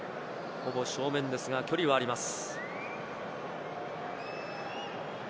ほぼ正面ですが、距離はあります。